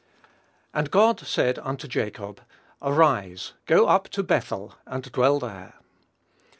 "And God said unto Jacob, Arise, go up to Bethel and dwell there."